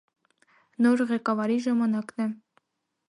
Նոր ղեկավարի ժամանակն է։